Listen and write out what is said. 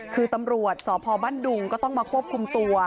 คือตำรวจสพบ้านดุงก็ต้องมาควบคุมตัว